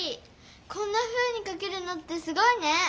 こんなふうにかけるなんてすごいね！